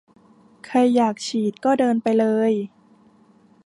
ใครอยากฉีดก็เดินไปเลย